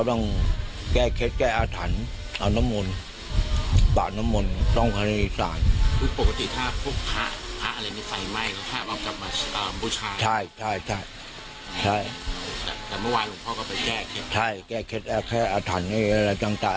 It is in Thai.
แต่เมื่อวานลุงพ่อก็ไปแก้เค็ดใช่แก้เค็ดแค่อาถานเนี่ยอะไรจังตรัก